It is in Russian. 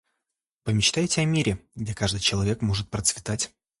Помечтайте о мире, где каждый человек может процветать.